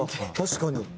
確かに。